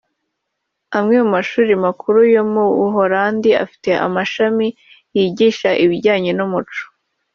Amwe mu mashuri makuru yo mu Buholandi afite amashami yigisha ibijyanye n’umuco